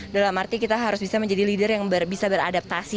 dalam arti kita harus bisa menjadi leader yang bisa beradaptasi